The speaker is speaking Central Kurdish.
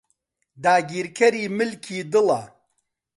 داگیرکەری ملکی دڵە